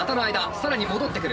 更に戻ってくる。